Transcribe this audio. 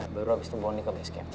baru abis itu mohon di ke base camp